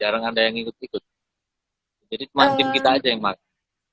jarang ada yang ikut ikut jadi masing masing kita aja yang makin